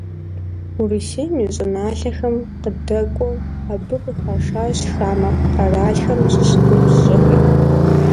Урысейм и щӀыналъэхэм къыдэкӀуэу, абы къыхашащ хамэ къэралхэм щыщ ныбжьыщӀэхэри.